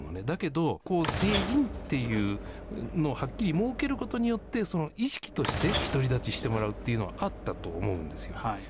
だけど、成人っていうのをはっきり設けることによって、意識として、独り立ちしてもらうというのがあったと思うんですよ。